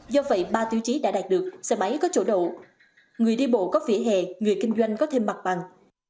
do vậy ba tiêu chí đã đạt được xe máy có chỗ đổ người đi bộ có vỉa hè người kinh doanh có thêm mặt bằng